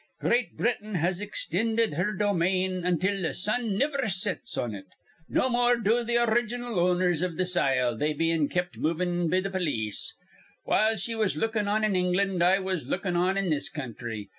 Great Britain has ixtinded her domain until th' sun niver sets on it. No more do th' original owners iv th' sile, they bein' kept movin' be th' polis. While she was lookin' on in England, I was lookin' on in this counthry.